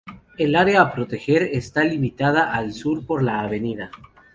El área a proteger está limitada al sur por la Av.